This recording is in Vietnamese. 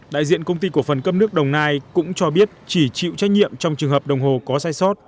đại diện công ty cổ phần cấp nước đồng nai cũng cho biết chỉ chịu trách nhiệm trong trường hợp đồng hồ có sai sót